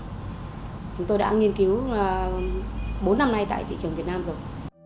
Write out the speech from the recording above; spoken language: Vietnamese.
chúng tôi đã nghiên cứu bốn năm nay tại thị trường việt nam rồi